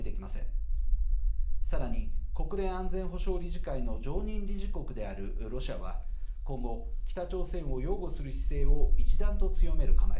さらに国連安全保障理事会の常任理事国であるロシアは今後北朝鮮を擁護する姿勢を一段と強める構えです。